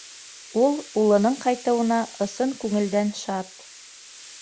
Ул улының ҡайтыуына ысын күңелдән шат.